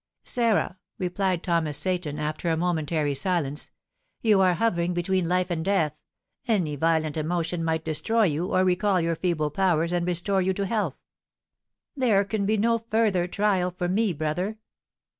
"Sarah," replied Thomas Seyton, after a momentary silence, "you are hovering between life and death, any violent emotion might destroy you or recall your feeble powers and restore you to health." "There can be no further trial for me, brother!"